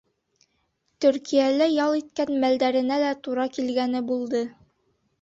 Төркиәлә ял иткән мәлдәренә лә тура килгәне булды.